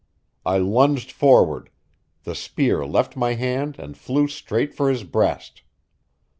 I lunged forward; the spear left my hand and flew straight for his breast.